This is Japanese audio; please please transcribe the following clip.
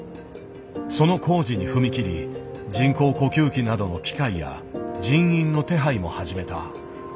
その工事に踏み切り人工呼吸器などの機械や人員の手配も始めた。